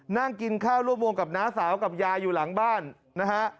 นั่งกินข้าวร่วมวงกับน้าสาวกับยายอยู่หลังบ้านนะฮะ